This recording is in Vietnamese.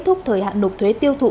thúc thời hạn nộp thuế tiêu thu